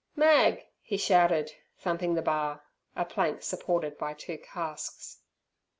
"Mag!" he shouted, thumping the bar (a plank supported by two casks).